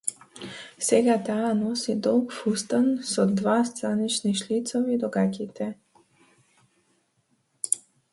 Сега таа носи долг фустан со два странични шлицови до гаќите.